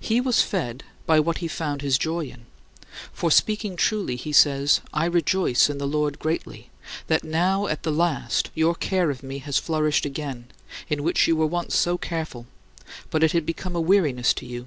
He was fed by what he found his joy in; for, speaking truly, he says, "I rejoice in the Lord greatly, that now at the last your care of me has flourished again, in which you were once so careful, but it had become a weariness to you.